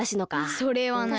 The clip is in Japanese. それはない。